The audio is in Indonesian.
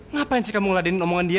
ngapain sih kamu ngeladiin omongan dia